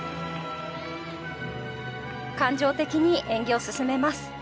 感情的に演技を進めます。